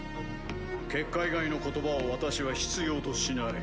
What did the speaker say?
結果以外の言葉を私は必要としない。